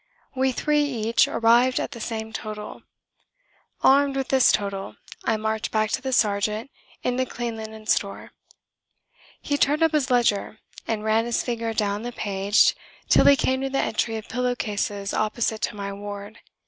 We three each arrived at the same total. Armed with this total I marched back to the sergeant in the Clean Linen Store. He turned up his ledger and ran his finger down the page till he came to the entry of pillow cases opposite to my ward.